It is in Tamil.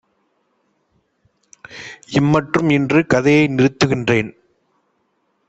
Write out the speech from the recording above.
"இம்மட்டும் இன்று கதையை நிறுத்துகின்றேன்;